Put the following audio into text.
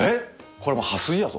これもう破水やぞ。